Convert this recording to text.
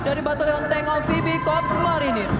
dari batalion tank amfibi korps marinir